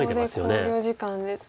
ここで考慮時間ですね。